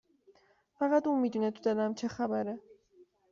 فقط اون میدونه تو دلم چه خبره